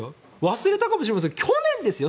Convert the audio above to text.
忘れたかもしれませんが去年ですよ